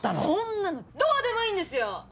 そんなのどうでもいいんですよ！